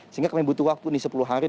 sehingga kami butuh waktu nih sepuluh hari